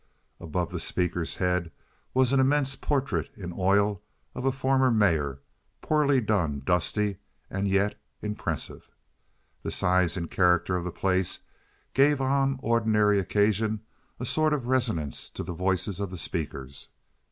Above the speaker's head was an immense portrait in oil of a former mayor—poorly done, dusty, and yet impressive. The size and character of the place gave on ordinary occasions a sort of resonance to the voices of the speakers.